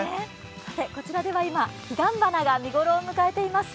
こちらでは今、彼岸花が見頃を迎えています。